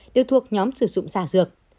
đều thuộc nhóm sử dụng giả dược